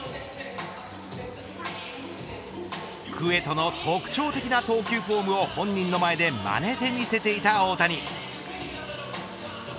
クエトの特徴的な投球フォームを本人の前でまねて見せていた大谷。